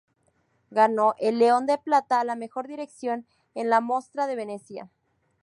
Ganó el León de Plata a la mejor dirección en la Mostra de Venecia.